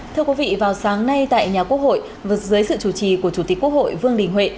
thưa quý vị vào sáng nay tại nhà quốc hội vượt dưới sự chủ trì của chủ tịch quốc hội vương đình huệ